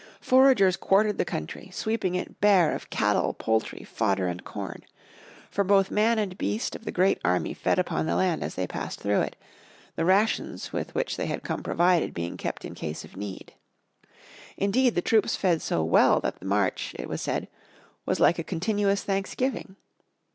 Foragers quartered the country, sweeping it bare of cattle, poultry, fodder and corn. For both man and beast of the great army fed upon the land as they passed through it, the rations with which they had come provided being kept in case of need. Indeed the troops fed so well that the march, it was said, was like a "continuous Thanksgiving."